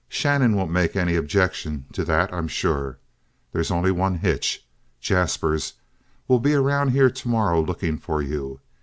Shannon won't make any objection to that, I'm sure. There's only one hitch. Jaspers will be around here tomorrow looking for you.